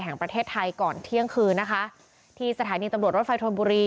แห่งประเทศไทยก่อนเที่ยงคืนนะคะที่สถานีตำรวจรถไฟธนบุรี